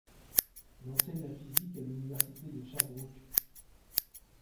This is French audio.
Il enseigne la physique à l'Université de Sherbrooke.